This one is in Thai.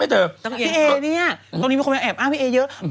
พี่เอเนี่ยตรงนี้มีคนมาแอบอ้างพี่เอเยอะ